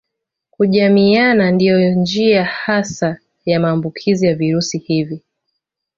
Kujamiiana ndiyo njia hasa ya maambukizi ya virusi hivi